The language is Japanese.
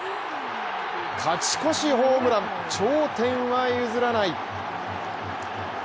勝ち越しホームラン、頂点は譲らない。